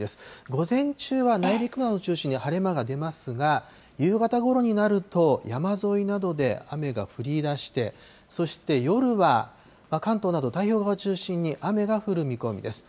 午前中は内陸などを中心に晴れ間が出ますが、夕方ごろになると、山沿いなどで雨が降り出して、そして夜は、関東など太平洋側を中心に雨が降る見込みです。